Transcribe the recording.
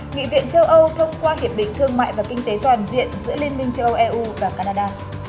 nghị viện châu âu thông qua hiệp định thương mại và kinh tế toàn diện giữa liên minh châu âu eu và canada